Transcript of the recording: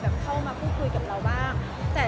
แต่กลับมายุ่งกันเองอย่างไร